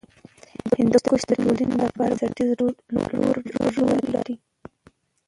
هندوکش د ټولنې لپاره بنسټیز رول لري.